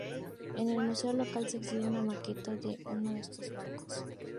En el museo local se exhibe una maqueta de uno de estos barcos.